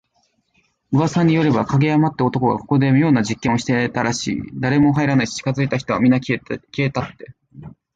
噂によれば、影山って男がここで妙な実験をしてたらしい。誰も入らないし、近づいた人はみんな…消えたって。